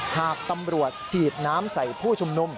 หากตำรวจฉีดน้ำใส่ผู้ชุมนุม